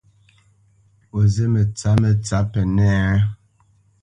O zí mətsǎpmə tsǎp Pənɛ́a a ?